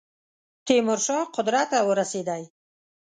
تیمور شاه قدرت ته ورسېدی.